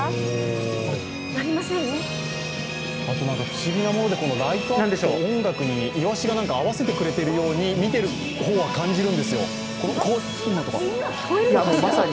不思議なもので、ライトアップと音楽にイワシが合わせてくれてるように見てる方は感じるんですよ。